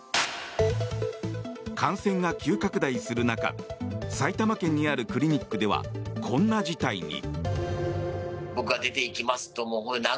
感染が急拡大する中埼玉県にあるクリニックではこんな事態に。